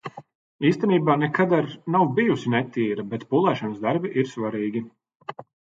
Īstenībā nekad ar’ nav bijusi netīra, bet pulēšanas darbi ir svarīgi.